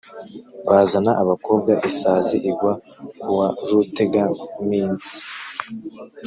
”bazana abakobwa, isazi igwa k’ uwa rutegaminsi,